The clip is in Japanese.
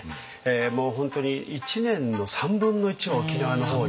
もう本当に一年の３分の１は沖縄の方に。